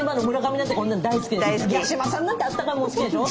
八嶋さんだってあったかいもの好きでしょ？